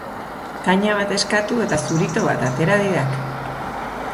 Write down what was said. Kaña bat eskatu eta zurito bat atera didak!